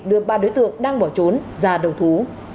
đưa ba đối tượng đang bỏ trốn ra đầu thú